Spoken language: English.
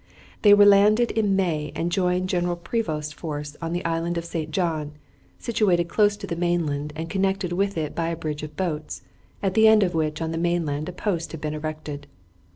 They were landed in May and joined General Prevost's force on the island of St. John, situated close to the mainland and connected with it by a bridge of boats, at the end of which on the mainland a post had been erected.